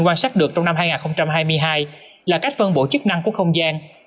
quan sát được trong năm hai nghìn hai mươi hai là cách vân bổ chức năng của không gian